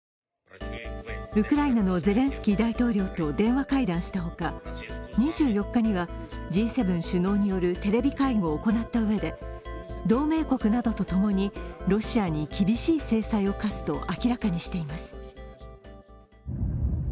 ウクライナのゼレンスキー大統領と電話会談したほか、２４日には、Ｇ７首脳によるテレビ会合を行ったうえで同盟国などと共にロシアに厳しい制裁を科すと明らかにしています。